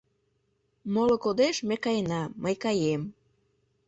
Моло кодеш, ме каена, мый каем.